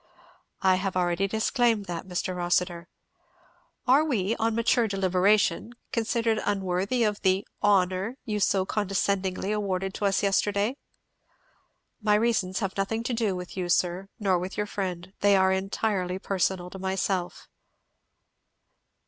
"I have already disclaimed that, Mr. Rossitur." "Are we, on mature deliberation, considered unworthy of tha honour you so condescendingly awarded to us yesterday?" "My reasons have nothing to do with you, sir, nor with your friend; they are entirely personal to myself."